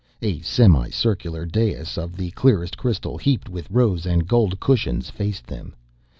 A semi circular dais of the clearest crystal, heaped with rose and gold cushions, faced them.